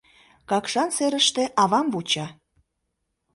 Какшан серыште авам вуча.